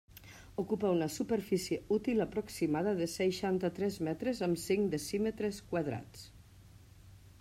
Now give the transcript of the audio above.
Ocupa una superfície útil aproximada de seixanta-tres metres amb cinc decímetres quadrats.